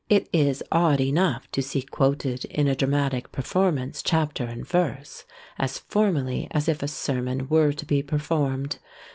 It is odd enough to see quoted in a dramatic performance chapter and verse, as formally as if a sermon were to be performed.